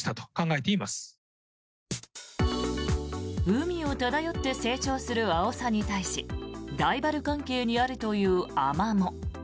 海を漂って成長するアオサに対しライバル関係にあるというアマモ。